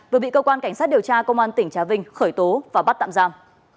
vừa bị cơ quan cảnh sát điều tra công an tỉnh trà vinh khởi tố và bắt tạm giam